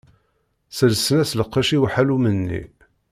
Sselsen-as lqecc i uḥallum-nni.